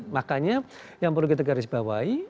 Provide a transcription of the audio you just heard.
makanya yang perlu kita garisbawahi